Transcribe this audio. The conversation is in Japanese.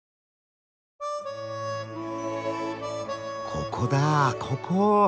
ここだぁここ！